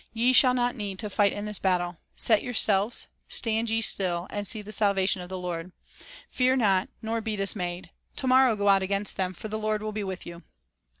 ... Ye shall not need to fight in this battle; set yourselves, stand ye still, and see the salvation of the Lord. ... Fear not, nor be dismayed ; to morrow go out against them ; for the Lord will be with you."